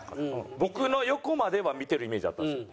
僕の横までは見てるイメージあったんですよ。